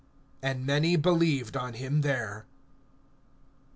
(42)And many believed on him there.